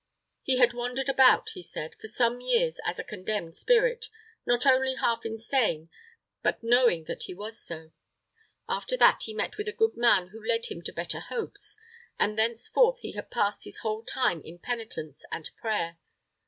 He had wandered about, he said, for some years as a condemned spirit, not only half insane, but knowing that he was so. After that, he met with a good man who led him to better hopes, and thenceforth he had passed his whole time in penitence and prayer.